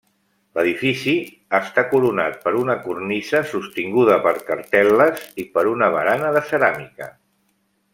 L'edifici està coronat per una cornisa sostinguda per cartel·les i per una barana de ceràmica.